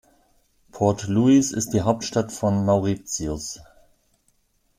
Port Louis ist die Hauptstadt von Mauritius.